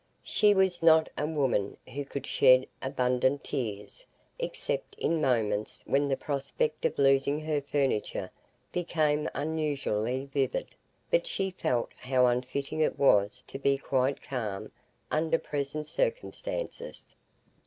She was not a woman who could shed abundant tears, except in moments when the prospect of losing her furniture became unusually vivid, but she felt how unfitting it was to be quite calm under present circumstances.